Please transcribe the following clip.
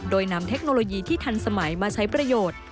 โดยนำเทคโนโลยีที่ทันสมัยมาใช้ประโยชน์